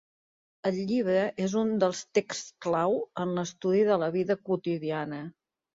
El llibre és un dels texts clau en l'estudi de la vida quotidiana.